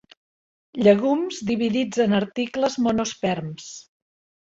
Llegums dividits en articles monosperms.